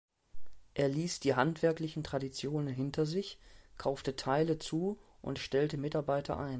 Er ließ die handwerklichen Traditionen hinter sich, kaufte Teile zu und stellte Mitarbeiter ein.